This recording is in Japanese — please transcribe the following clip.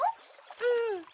うん。